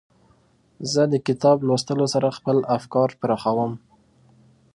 زه د کتاب لوستلو سره خپل افکار پراخوم.